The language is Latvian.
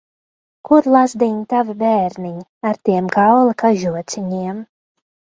Kur, lazdiņ, tavi bērniņi, ar tiem kaula kažociņiem?